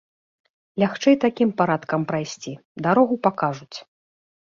Лягчэй такім парадкам прайсці, дарогу пакажуць.